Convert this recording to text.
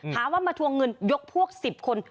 หาว่ามาทวงเงินยกพวกสิบคน